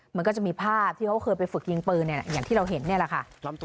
มันก็จะมีภาพที่เขาเคยไปฝึกยิงปืนอย่างที่เราเห็นนี่แหละค่ะ